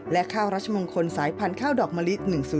และข้าวรัชมงคลสายพันธุ์ข้าวดอกมะลิ๑๐